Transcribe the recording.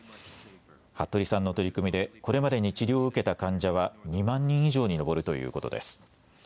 服部さんの取り組みでこれまでに治療を受けた患者は２万人以上に上るということです。